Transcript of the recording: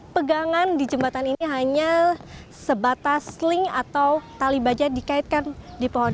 pegangan di jembatan ini hanya sebatas sling atau tali baja dikaitkan di pohon